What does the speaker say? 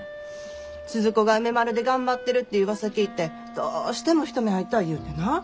スズ子が梅丸で頑張ってるってうわさ聞いてどうしても一目会いたい言うてな。